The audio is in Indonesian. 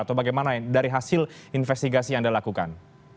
atau bagaimana dari hasil investigasi yang anda lakukan